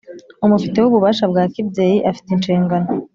umufiteho ububasha bwa kibyeyi afite inshingano